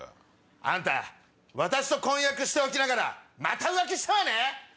あんた私と婚約しておきながらまた浮気したわね！